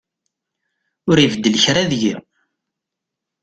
Ur ibeddel kra deg-i.